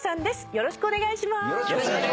よろしくお願いします。